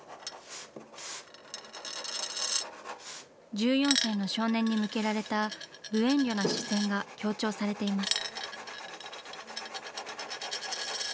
１４歳の少年に向けられた無遠慮な視線が強調されています。